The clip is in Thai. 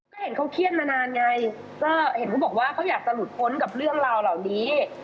ก็เห็นเขาเครียดมานานไงก็เห็นเขาบอกว่าเขาอยากจะหลุดพ้นกับเรื่องราวเหล่านี้